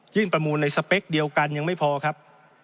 ประมูลในสเปคเดียวกันยังไม่พอครับ